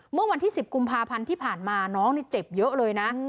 เมื่อวันที่๑๐กุมภาพันธ์ที่ผ่านมาน้องนี่เจ็บเยอะเลยนะ